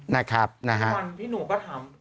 นะครับนะฮะพี่หนุ่มก็ถาม